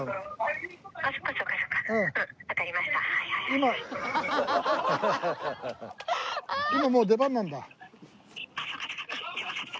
今もう出番なんだ。